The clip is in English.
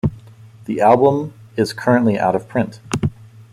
The album is currently out of print.